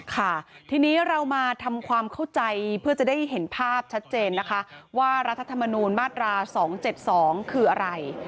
ค่ะทีนี้เรามาทำความเข้าใจเพื่อจะได้เห็นภาพชัดเจนนะคะว่ารัฐธรรมนูญมาตรา๒๗๒คืออะไร